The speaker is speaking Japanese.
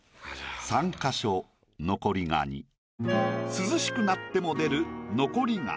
涼しくなっても出る「残り蚊」。